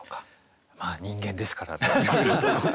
まあ人間ですからね。